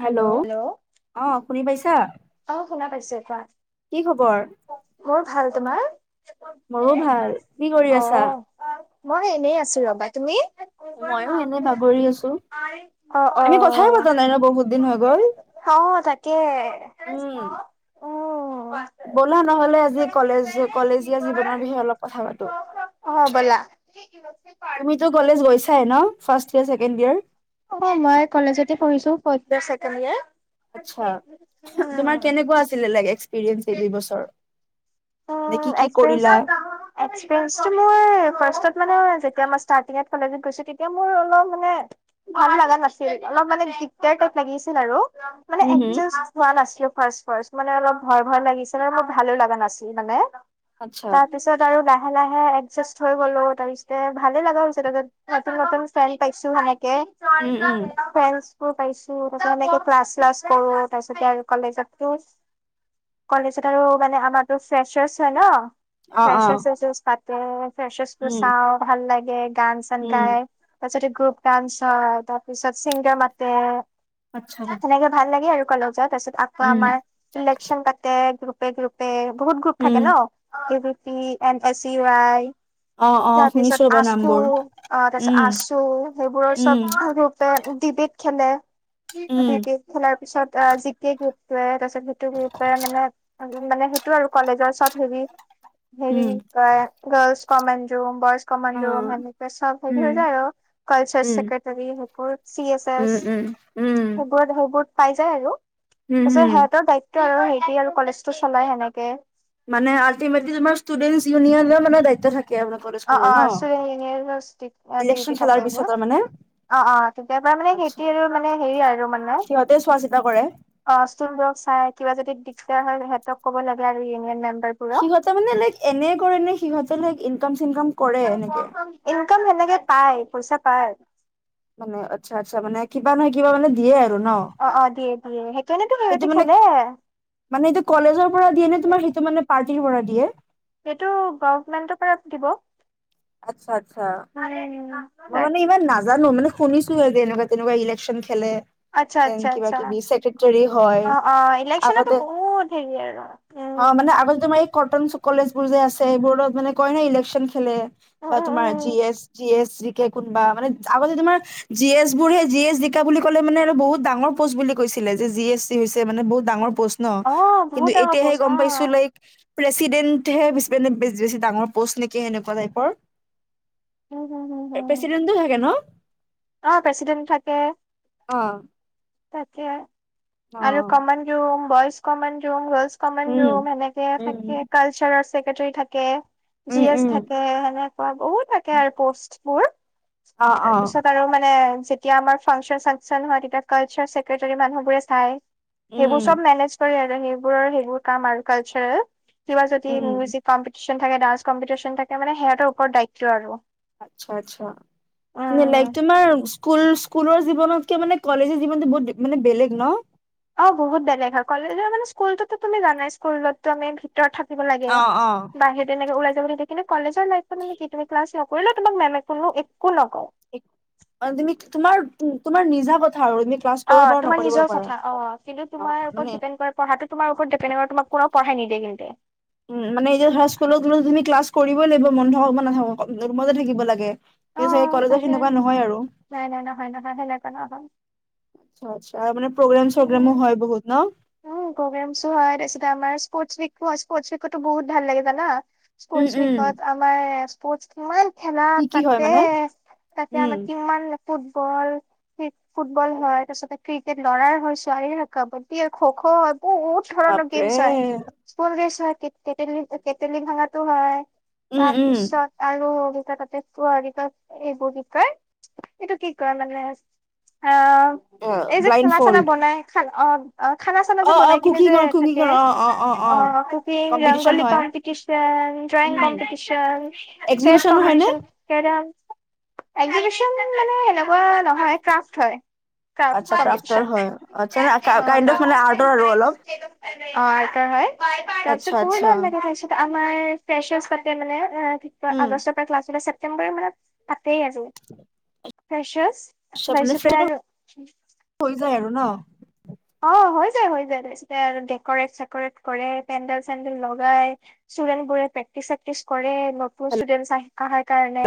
Hello অ শুনি পাইছা? অ শুনা পাইছো, কোৱা? কি খবৰ মোৰ ভাল। তোমাৰ? মোৰো ভাল। কি কৰি অ আছা? মই এনেই আছো ৰবা। তুমি? ময়ো এনে বাগৰি আছো [unintelligible] অ অ [unintelligible] আমি কথাই পতা নাই ন বহুত দিন হৈ গ'ল হাও হ তাকে উম [unintelligible] উ ব'লা নহলে আজি কলেজ কলেজীয়া জীৱনৰ বিষয়ে অলপ কথা পাতো। অ ব'লা। তুমিতো কলেজ গৈছাই ন ফাৰ্ষ্ট ইয়েৰ, ছেকেণ্ড ইয়েৰ। অ মই কলেজতে পঢ়ছো ফাৰ্ধ ইয়েৰ ছেকেণ্ড ইয়েৰ। আছা তোমাৰ কেনেকুৱা আছিলে? এক্সপিৰিয়েঞ্চ এই দুই বছৰ। [unintelligible] এক্সপিৰিয়েচ, কৰিলা এক্সপিৰিয়েচতো মোৰ ফাৰ্ষ্টত মানে যেতিয়া মই স্টাৰ্তিং কলেত গৈছো তেতিয়া মোৰ অলপ মানে ভাল লগা নাছিল। অলপ মানে দিগাৰ টাইপ লাগিছিল আৰু। মানে উম হম এডজাষ্ট হোৱা নাছিলো ফাৰ্ষ্ট ফাৰ্ষ্ট মানে অলপ ভয় ভয় লাগিছে ন মোৰ ভালো লগা নাছিল। মানে আচ্ছা তাৰপিছত আৰু লাহ লাহে লাহে এডজাষ্ট হৈ গ'লো তাৰপিছতে ভালে লগা হৈছে তাৰ পিছত নতুন নতুন ফ্ৰেন পাইছো সেনেকে। উম উম [unintelligible] ম পাইছো তাৰ পিছত এনেকে ক্লাছ চ্লাছ কৰো তাৰ পিছতে আৰু কলেজতো। কলেজত আৰু মানে আমাৰ ফ্ৰচাৰছ হয় ন অ অ ফ্ৰেচ জু পা ফ্ৰেচাৰছোৰ উম চাওঁ ভাল লাগে। গান চান উম গাই তাৰ পিছতে গ্ৰুপ ডান্স হয় তাৰ পিছত ছিংগাৰ মাতে। আচ্ছা সেনেকে ভাল লাগে আৰু কলেজত তাৰপিছত আকৌ উম আমাৰ ইলেকষ্য়ন পাতে। গ্ৰুপে গ্ৰুপে বহুত গ্ৰুপ উম থাকে ন [unintelligible] অ' অ তাৰ শুনিছো পিছত ৰ'বা আচু নামবোৰ অ তাৰপিছত উম আচু সেইবোৰৰ উম চব ৰূপে দিবিক। খেলে উম দুইটিন খেলাৰ পিছত। অ' জিকে গ্ৰুপটোৱে তাৰপিছত সিটো গ্ৰুপ মানে মানে সেই কলেজ হৰি হেৰি উম। গৰ্লচ কমেন ৰুম বইছ কমনম অ', হে হৈ উম, যায় আৰু উম, কাৰছেক্ৰটাৰী সেই চি এ এ উম, উম, উম, হবত হবত পাই যায় আৰু উম, তাৰপিছত হুম। সিহঁতৰ দায়িত্ব আৰু সে আৰু কলেজটো চলাই সেনেকে। মানে আল্টিমেতলি তোমাৰষ্টুডেন্ট ইউননৰ মানে দায়িত্ব থাকে। আপোনাৰ কলেশ অ খনৰ অ ন ষ্টুডেণ্ট ডিউটি ইলেকচন থাকে খেলাৰ পিছত এইবোৰ আৰু মানে। অ' অ' তেতিয়া পৰা মানে আচ্ছা খেতি আৰু মানে হেৰি আৰু মানে। সিহঁতে চোৱা চিতা কৰে। অ ষ্টুলক চাই কিবা যদি দিগদাৰ হ' সিহতক কব লাগে আৰু ইউনিয়ন মেম সিহঁতৰ মানে লাইক এনে কৰে ন সিহঁতেৰ লাইক চিনকাম কৰে এনেকে? ইনকাম সেনেকে পাই পইচা পায়। মানে আচ্ছা আচ্ছা মানে কিবা নহয় কিবা মানে দিয়ে আৰু। ন? অ অ দিয়ে দিয়ে সেইটো নে তো সেইটো সহতি মানে খেলে। মানে এইটো কলেজৰ পৰা দিয়ে নে তোমাৰ সেইটো মানে পাৰ্টিৰ পৰা দিয়ে। সেইটো গভমেণ্টৰ পৰা দিব। আচ্ছা আচ্ছা। মই মানে ইমান নাজানো মানে শুনিছো আৰু এনেকুৱা তেনেকুৱা ইলেকশ্যন খেলে। আচ্ছা ন আচ্ছা কিবা আচ্ছা কিবি ছেক্ৰেটাৰী হয় অ অ ইলেকচনতো আগতে। বহুত হেৰি আৰু অ মান উম আগতে তোমাৰ কটন কলেজ বোৰ যে আছে এই বডত মানে কয় ন ইলেকচন খেলে উম বা উম তোমাৰ জি উম এছ জি এ কোনোবা মানে আগতে তোমাৰ জি এছ বোৰ সেই জি এছ জিকা বুলি ক'লে মানে আৰু বহুত ডাঙৰ প'ষ্ট বুলি কৈছিল। এ মানে বহুত ডাঙৰ পষ্ট ন অ কিন্তু বহুত ডাঙৰ এতিয়াহে প'ষ্ট অ গম পাইছো লাইক প্ৰেচিডেণ্টহে বেছি ডাঙৰ পষ্ট নেকি সেনেকুৱা টাইপৰ। উম হম হম হম প্ৰেচিডেণ্টো থাকে ন অ প্ৰেচিডেন্ট থাকে অ'। তাকে অ আৰু common room boys common room উম গৰ্লচ নেকে থাকে উম কাৰ্ৰী থাকে। জি উম এছ উম থাকে সেনেকুৱা বহুত থাকে আৰু পষ্টবোৰ। অ অ তাৰপিছত আৰু মানে যেতিয়া আমাৰ ফাংচন চাংচন হয় তেতিয়া। চাৰ চছেক্ৰেটৰী মানুহবোৰে চাই সেইবোৰ উম চব মেনেজ কৰে আৰু। সেইবোৰৰ সেইবোৰ কাম আৰু কাৰ্চাৰেল কিবা যদি উম মূজিক কম্পিটিশন থাকে ডান্স কম্পিটিশন থাকে সিহতৰ ওপৰত দায়িত্ব আৰু। আচ্ছা আচ্ছা মানে উম লাইক তোমাৰ স্কুল। স্কুলৰ জীৱনতকে মানে কলেজৰ জীৱনতটো বহুত মানে বেলেগ ন। অ বহুত বেলেগ হয় কলেজৰ মানে স্কুলতো তুমি জানাই স্কুলতো আমি ভ ৰত থিব লাগে অ', অ'। বাহ তেনেে কৰিলো তোমাক মেমে কলো তুমি তোমাৰ তোমাৰ নিজা বথা অ', তোমাৰ নিজৰ কথা অ', কিন্তু অ', তোমাৰ ওপৰত মানে ডিপেণ্ড কৰে পঢ়াটো তোমাৰ ওপৰত ডিপেড তোমাক কোনো পঢ়াই নিদিয়ে কিন্তু। উম, মানে এতিয়া ধৰা স্কুল তুমি ক্লাছ কৰিবই লাগিব [unintelligible] ৰোমতে থাকিব লাগে। অ কিন্তু চাগে কলেজত তাকে সেনেকুৱা নহয় আৰু। নাই নাই নহয় নহয় সেনেকুৱা নহয় আচ্ছা, আচ্ছা আৰু মানে প্ৰগ্ৰাম, চগ্ৰামো উম। হয়, বহুত ন? উম, প্ৰগ্ৰেমচো হয়, তাছতে আমাৰ স্পচ উইকো হয়, স্পচ উইকো আমাৰ বহুত ভাল লাগে জানা। উম, স্পচ উম। উইকত আমাৰ স্পচ [unintelligible] খেলা কি কি হয় পাতে, মানে? তাতে উম, আমাৰ কিমান ফুটবল, ফুটবল হয়, তাছতে ক্ৰিকেট ল'ৰাৰ হয়, ছোৱালীৰ হয়, কাবাডী আৰু খখ হয়, বহুত ধৰণৰ বাপৰে গেমচ হয়, [unintelligible] ৰেছ হয়। কেতেলী, কেতেলী ভাগাটো হয়, উম, উম। তাৰপিছত আৰু [unintelligible] এইবোৰ কি কয়, এইটো কি কয় মানে আ অ', এই যে, ব্লাইণ্ড খেলা চেলা ফল্ড বনাই খান অ' অ', খানা চানা যে, অ', বনাই অ', কিনে যে, কুকিঙৰ থাকে কুকিঙৰ অ', অ', অ', কুকিং, কম্পিটিচন ৰংগলি হয় কম্পিদিচন ড্ৰঙিং উম কম্পিটিচন, চেচ এক্সিবিচনো হয় নে কম্পিটিচন, কেৰেম একজিবিচন মানে এনেকুৱা নহয়, ক্ৰাফ্ট হয়। আচ্ছা ক্ৰাফ্টৰ হয় আচ্ছা [unintelligible] কাইণ্ড অফ অ', মানে আৰ্টৰ আৰু অলপ আৰ্টৰ হয়, আচ্ছা তাৰপিছত বহুত আচ্ছা ভাল লাগে [unintelligible] আমাৰ ফেচাচ পাতে মানে এ, উম আগষ্টৰ পৰা ক্লাছ হ'লে ছেপ্টেম্বৰ মানত পাত পাতেই আৰু, ফ্ৰেচাচ আচ্ছা, মানে তাৰছতে ফ্ৰেণ্ড আৰু হৈ যায় আৰু ন অ হৈ যায়, হৈ যায় তাৰছতে ডেকৰেট চেকৰেট কৰে, পেণ্ডেল, চেডেল লগাই ষ্টুডেণ্টবোৰে প্ৰেক প্ৰেকটিচ চেকটিচ কৰে, নতুন হেল্ল' ষ্টুডেটচ আহে আহাৰ কাৰণে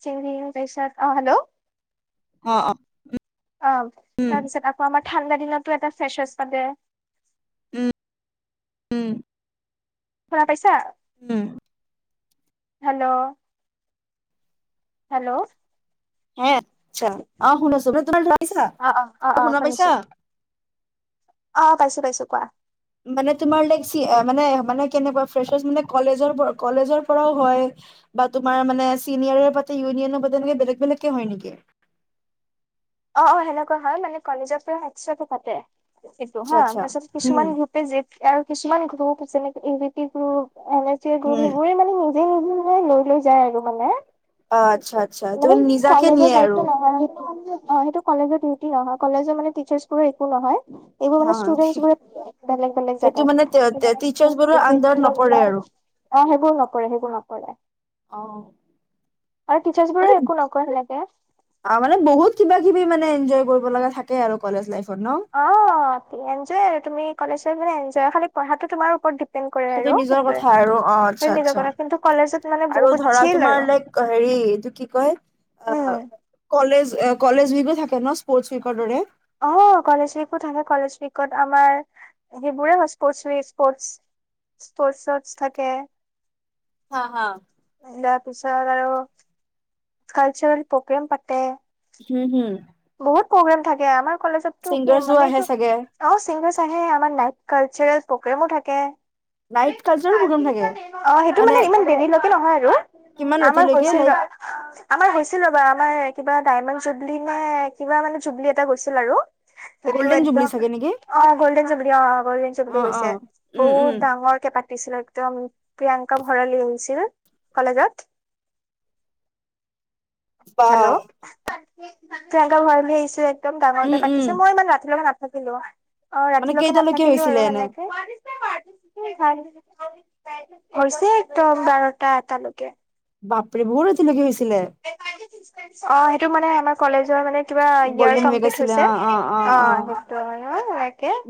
[unintelligible] অ', হেল্ল' অ', অ অ উম তাৰপিছত আকৌ আমাৰ ঠাণ্ডা দিনতো এটা ফ্ৰেচাছ পাতে। উম, উম। শুনা পাইছা? উম। হেল্ল'! হেল্ল'! [unintelligible] অ অ অ অ শুনা শুনিছো পাইছা? অ', পাইছোঁ, পাইছোঁ কোৱা। মানে তোমাৰ লাইক কি, এ-মানে, মানে কেনেকুৱা ফ্ৰেছাৰছ মানে কলেজৰ‌ প, কলেজৰ পৰাও হয় বা তোমাৰ মানে চিনিয়ৰে পাতে ইউনিয়নৰ পাতে এনেকে বেলেগ, বেলেগকে হয়, নিকি? অ', অ', সেনেকুৱা হয়, মানে কলেজৰ পৰা এক্সট্ৰাকে পাতে। এইটো আচ্ছা হা, আচ্ছা তাছত উম কিছুমান গ্ৰুপে [unintelligible] আৰু কিছুমান গ্ৰুপ [unintelligible] [unintelligible] গ্ৰুপ উম সেইবোৰে মানে নিজে, নিজে মানে লৈ, লৈ যায় আৰু মানে। অ আচ্ছা [unintelligible] আচ্ছা তুমি মানে নিজাকে নিয়ে কলেজৰ আৰু দায়িত্ব নহয় সেইটো। অ', কলেজৰ‌ ডিউটি নহয়, কলেজৰ মানে টিচাৰবোৰৰ একো নহয়, এইবোৰ হা মানে ষ্টুডেণ্টচবোৰে পাতে। বেলেগ বেলেগ সেইটো মানে জেগাত টিচাৰ্চ বোৰৰ আণ্ডাৰত নপৰে আৰু [unintelligible] অ', হেইবোৰ নকৰে, হেইবোৰ নকৰে। অ'। আৰু টিচাৰ্চ বোৰো একো নকৰে লাগে অ মানে বহুত কিবা কিবি মানে এনজয় কৰিব লগা থাকে আৰু কলেজ লাইফ অ', এনজয় আৰু তুমি কলেজত মানে এনজয় খালি পঢ়াটো তোমাৰ ওপৰত ডিপেণ্ড কৰে সেইটো আৰু নিজৰ সেইটোৱে কথা আৰু অ', আচ্ছা, নিজৰ কথা কিন্তু আচ্ছা, কলেজত মানে আৰু বহুত ধৰা চিল আৰু তোমাৰ লাইক হেৰি ৰি এই এইটো কি কয়? অ', উম কলেজ-কলেজ উইকো থাকে ন? স্পৰ্ট উইকৰ দৰে? অ', কলেজ উইকো থাকে। কলেজ উইকত আমাৰ সেইবোৰে হয় স্পৰ্ট উইক, স্পৰ্ট স্পৰ্টছত থাকে। হা, হা। তাৰপিছত আৰু কালচাৰেল প্ৰগ্ৰেম পাতে। হুম, হুম বহুত প্ৰগ্ৰেম থাকে আমাৰ কলেজতটো কি ছিংগাৰ্ছো মানে আহে এইটো চাগে অ চিংগাৰছ আহে আমাৰ নাই কালচাৰেল প্ৰগ্ৰেমো থাকে। লাইট কা পিন অ [inaudible] সেইটো মানে ইমান দেৰিলৈকে নহয় আৰু কিমান আমাৰ ৰাতিলৈকে হৈছিল লাইক বা আমাৰ হৈছিল ৰবা আমাৰ কিবা ডায়মণ্ড জুবলি নে কিবা মানে জুবলি এটা গৈছিল আৰু সেইটো গ'লডেন জুবলিছ একদম ছাগে নেকি। অ গ'ল্ডেন জুবেলী অ গ'ল্ডেন জুবেলী অ অ গৈছে উম উম বহুত ডাঙৰকে পাতিছিলো একদম প্ৰিয়াংকা ভঁৰালী আহিছিল কলেজত বা হেল্ল' প্ৰয়ংকা ভৰালি আহিছো একম উম ডাঙৰকে উম পাতিছে। মই ইান ৰাতিলৈ লগত নাথাকিলো। অ মানে ৰাতিলৈকে কেইটালৈকে নাথাকিলো হৈছিলে আৰু এনে ভালকে হৈছে একদম বাৰটা এটালৈকে। বাপ ৰে বহুত ৰাতি লৈকে হৈছিল অ সেইটো মানে আাৰ কলেজৰ মানে কিবা ইয়ে গল্ডেন উইক কমপ্লিত আছিলে অ হৈছে। অ' সেইটো মানে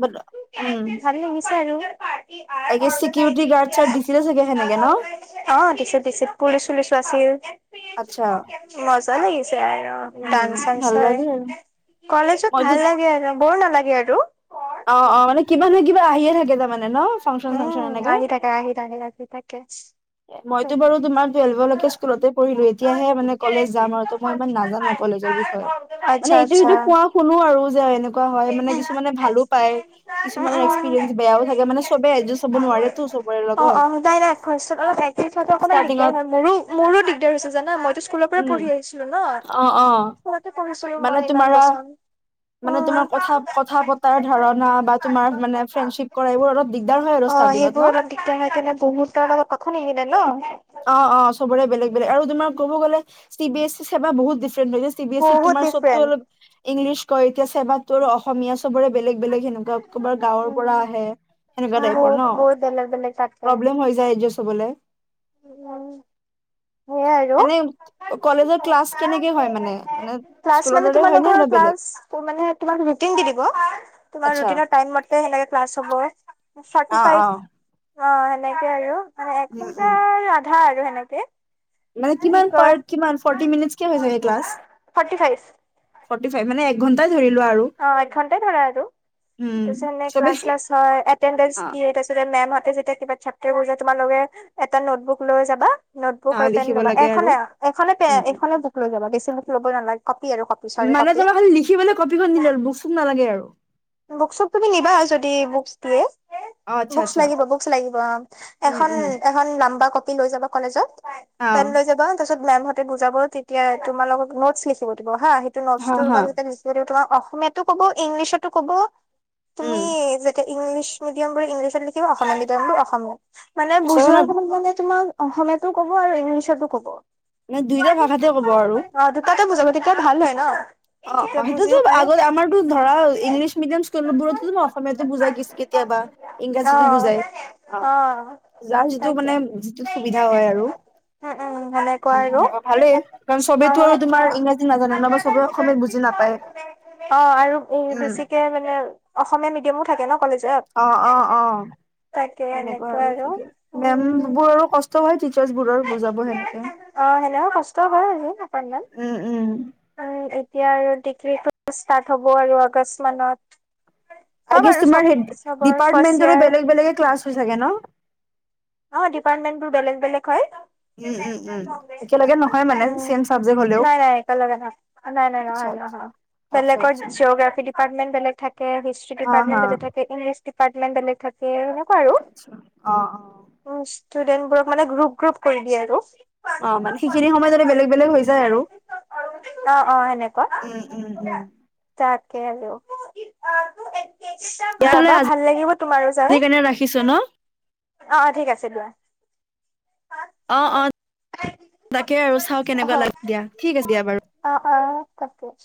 বাট উম ভাল লাগিছে আৰু এবাৰ আইগেছ ঘৰ বনাই চিকিউৰিটি গাৰ্ড চাৰ্ড দিছিলে চাগে সেনেকে ন দিগদাৰ অ' দিছো। দিছো পুলিচ চুলিচো আছিল। আচ্ছা মজা নেকি উম ডানস চানস ভাল হয় লাগে আৰু কলেজত মইতো ভাল লাগে আৰু বৰ নালাগে আৰু অ, অ মানে কিবা নহয় কিবা আহিয়ে থাকে তাৰমানে ন ফাংচন চাংচন উম এনেকে আহি থাকে আহি থাকে আহি থাকে এ মইতো বাৰু তোমাৰ টুৱেল্ভলৈকে স্কুলতে পঢ়িলো এতিয়াহে মানে কলেজ যাম আৰু ত মই ইমান নাজানো কলে বিষয়ে আচ্ছা মানে এইটো আচ্ছা সটো কোৱা শুনো আৰু যে এনেকুৱা হয় মানে কিছুমানে ভালো পায়। কিছুমানৰ এক্সপিৰিয়েঞ্চ বেয়াও থাকে মানে চবে এডজাষ্ট হ'ব নোৱাৰেতো চবৰে অ', লগত অ', নাই নাই ভইচত অলপ অকমান দিগদাৰ ষ্টাৰ্টিঙত হয় মোৰো মোৰো দিগদাৰ হৈছে জান মইো স্কুলৰ পৰা উম পঢ়ি আহিছিলো ন অ অ সতে কৰিছিলো মানে মই ইমান তোমাৰা বচন মানে তোমাৰ কথা কথা পতাৰ ধাৰণা বা তোমাৰ মানে ফ্ৰেডশ্বিপ কৰা এইবোৰ অলপ দিগদাৰ হৈ আৰু ৰ অ', ষ্টাৰ্টিঙত সেইবোৰ ন। অলপ দিগদাৰ হয় কাৰণে বহুতৰ লগত কথা নিমিলে ন অ' অ' চবৰে বেলেগ লে আৰু তোমাৰ ক'ব গ'লে চি বি এছ ই সেৱা বহুত ডিফাৰেন্ট হৈছে চি বি এছ ই বহুত তোমাৰ চবতটো ডিফাৰেণ্ট অলপ ইংলিছ কয় এতিয়া চেবাত তোৰ অসমীয়া চবৰে বেলেগ। গাঁৱৰ পৰা উম, আহে বহুত এনেকোৱা বহুত বেলেগ ঢটাইপৰ ন। চবলে উ, উ, স এনে কলেজৰ ক্লাছ কেনেকে হয় মানে মানে [inaudible] স্কুলৰ মানে দৰে তোমাৰ হয় নে অলপ বেলেগ ৰুতিন দি দিব। আচ্ছা ফোৰ্টী অ ফাইভ সেনেকে আৰু নি তাৰ আধা আৰু এনেকে মানে কিমান প কিমান ফৰ্টি মিনিট হৈ য ক্লা forty five forty five minute মানে একঘণ্টা অ এক ঘণ্টাই ধৰা আৰু উম আৰু তাৰপিছ চবে ক্লাছ্ ছিলাচ হয় এটেন্ট অ দিয়ে তা পিছত মেম এই যেতিয়া কিবা চেপ্টাৰবোৰ যে তোমালোকে এটা নোটবুক লৈ যাবা নোট বুক অ আৰু পেন লিখিব ল'বা, লাগে আৰু এখনে এখনে পে উম এখনে বুক লৈ যাবা, বেছি বুক ল'ব নালাগে। কপি আৰু কপি চৰি মানে কপি তোমাক খালি লিখিবলৈ কপিখন দিলে হ'ল, বুক-চুক নালাগে আৰু। বুক-চুক তুমি নিবা, যদি বুকছ দিয়ে অ আচ্ছা বুকছ আচ্ছা লাগিব, বুকছ লাগিব, অ', উম এখন, উম এখন লাম্বা কপি পিন লৈ যাবা কলেজত, অ পেন লৈ যাবা, তাৰপিছত মেমহঁতে বুজাব, তেতিয়া তোমালোকক নোটছ লিখিব দিব। বহা, সেইটো হা নোটছটো হা মান [unintelligible] তোমাৰ অসমীয়াতো ক'ব, ইংলিছতো ক'ব। তুমি উম যেতিয়া ইংলিছ মিডিয়াম বুলি ইংলিছ লিখিবা অসমীয়া মিডিয়াম বুলি অসমীয়া, মানে বুজোৱাৰ ছয়খনত সময়ত মানে তোমাক অসমীয়াতো ক'ব আৰু ইংলিছতো ক'ব। মানে দুইটা ভাষাতে ক'ব আৰু। দুইটাই বুজাব, তেতিয়া ভাল হয় ন'। অ', তেতিয়া অ', বুজিও সেইটোতো পায় আগত আমাৰটো ধৰা ইংলিছ মিডিয়াম স্কুলবোৰতো ন', অসমীয়াতো বুজাই কেতিয়াবা, অ ইংৰাজীতো বুজাই। অ'। যাৰ যিটো তাকে মানে যিটোত সুবিধা হয় আৰু। অ', উম, সেনেকুৱাই ন? সেনেকুৱা ভালেই [unintelligible] কাৰণ চবেতো আৰু [unintelligible] তোমাৰ ইংৰাজী নাজানে ন বা চবে অসমীয়াত বুজি নাপায়। অ', আৰু বহু উম, বেছিকে মানে অসমীয়া মিডিয়ামো থাকে ন', কলেজ অ', অ', অ', অ', সেনেকুৱা এনেকুৱা আৰু [unintelligible] উম মেমবোৰৰো কষ্ট হয় ঠি [unintelligible] অ', হেল্ল' কষ্ট হয় আৰু অকণমান। উম, উম, উম, এতিয়া আৰু ডিগ্ৰীটো ষ্টাৰ্ট হ'ব আৰু আগষ্ট মানত। আই চব গ্যাছ, আৰু চব তোমাৰ সেই চবৰ ফাৰ্ষ্ট ডিপাৰ্টমেণ্টটোলৈ ইয়াৰ বেলেগ বেলেগ ক্লাছ হৈ থাকে ন'? অ, ডিপাৰ্টমেন্টবোৰ বেলেগ-বেলেগ হয়। উম, উম, নেছনেল উম, কংগ্ৰেছ একেলগে নহয় [unintelligible] মানে উম চেম চাবজেক্ট [unintelligible] হ'লেও। নাই-নাই একেলগে থাকে নাই-নাই আচ্ছা, নহয়। [unintelligible] নহয় আচ্ছা, বেলেগৰ আচ্ছা, জিঅ'গ্ৰাফী ডিপাৰ্টমেণ্ট বেলেগ থাকে, হিষ্ট্ৰী হা, ডিপাৰ্টমেণ্ট হা, বেলেগ থাকে, ইংলিছ ডিপাৰ্টমেণ্ট বেলেগ থাকে অ আচ্ছা অ', অ', উম, ষ্টুডেন্টবোৰক মানে গ্ৰুপ-গ্ৰুপ কৰি দিয়ে আৰু। অ, মানে সেইখিনি সময়ত এনে বেলেগ-বেলেগ হৈ যায় আৰু। অ', অ', সেনেকুৱা উম, উম, উম, [unintelligible] তাকে আৰু। তেতিয়াহ'লে যাবা ভাল লাগিব তোমাৰো যাই। আজিৰ কাৰণে ৰাখিছো ন? অ', অ', ঠিক আছে দিয়া। অ', অ', [inaudible] তাকে আৰু চাও কেনেকুৱা লাগে আৰু ঠিক আছে দিয়া বাৰু। অহ, তাকেচ